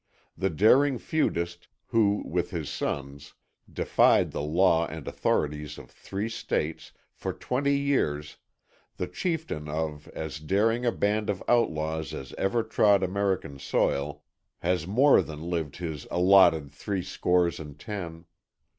The daring feudist, who, with his sons, defied the law and authorities of three States, for twenty years, the chieftain of as daring a band of outlaws as ever trod American soil, has more than lived his "allotted three score years and ten."